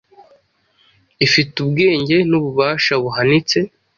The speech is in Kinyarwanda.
ifite ubwenge n’ububasha buhanitse